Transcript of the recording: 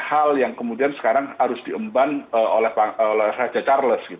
hal yang kemudian sekarang harus diemban oleh raja charles